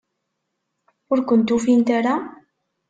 Ur kent-ufint ara?